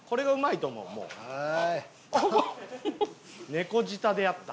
猫舌であった。